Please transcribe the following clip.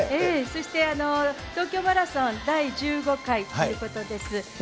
そして、東京マラソン第１５回ということです。